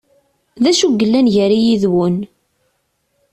D acu yellan gar-i yid-wen?